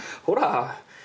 ほら。